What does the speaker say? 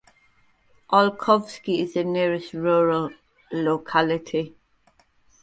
Olkhovsky is the nearest rural locality.